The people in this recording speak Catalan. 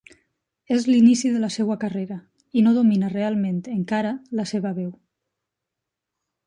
És l'inici de la seva carrera, i no domina realment, encara, la seva veu.